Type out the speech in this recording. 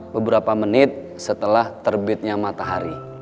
beberapa menit setelah terbitnya matahari